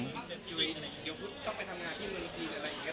แต่ว่าเราสองคนเห็นตรงกันว่าก็คืออาจจะเรียบง่าย